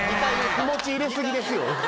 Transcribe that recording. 気持ち入れすぎですよ。